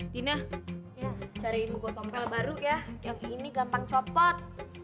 dina cari buku tompel baru ya yang ini gampang copot